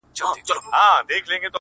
په څو ساعته دې د سترگو باڼه و نه رپي’